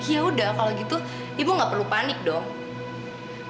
ya udah kalau gitu ibu gak perlu panik dong